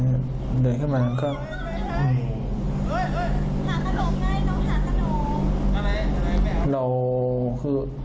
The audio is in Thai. หาขนมไงเราหาขนมอะไรอะไรไม่เอาเราคือ